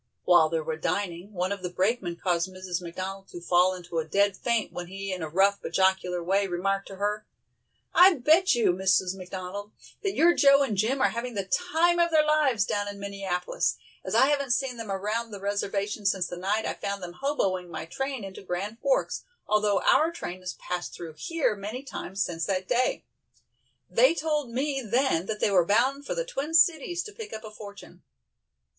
While they were dining, one of the brakemen caused Mrs. McDonald to fall into a dead faint when he in a rough but jocular way remarked to her: "I bet you, Mrs. McDonald, that your Joe and Jim are having the time of their lives down in Minneapolis, as I haven't seen them around the reservation since the night I found them hoboing my train into Grand Forks, although our train has passed through here many times since that day. They told me then that they were bound for the "Twin Cities" to pick up a fortune.